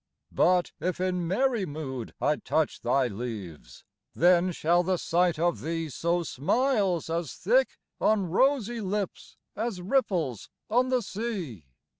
But if in merry mood I touch Thy leaves, then shall the sight of thee Sow smiles as thick on rosy lips As ripples on the sea.